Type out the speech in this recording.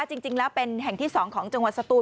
จริงแล้วเป็นแห่งที่๒ของจังหวัดสตูน